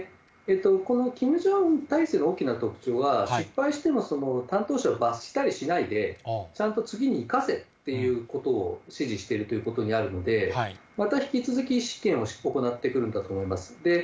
このキム・ジョンウン体制の大きな特徴は、失敗しても担当者を罰したりしないで、ちゃんと次に生かせっていうことを指示しているということにあるので、また引き続き、試験を行ってくるんだと思います。